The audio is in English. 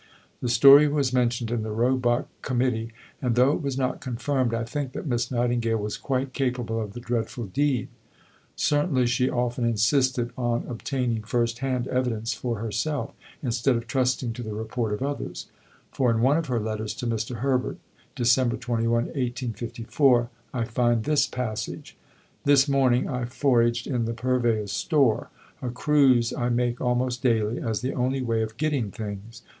The story was mentioned in the Roebuck Committee; and, though it was not confirmed, I think that Miss Nightingale was quite capable of the dreadful deed. Certainly she often insisted on obtaining first hand evidence for herself, instead of trusting to the report of others; for in one of her letters to Mr. Herbert (Dec. 21, 1854), I find this passage: "This morning I foraged in the Purveyor's Store a cruise I make almost daily, as the only way of getting things.